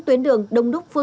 trên địa bàn tỉnh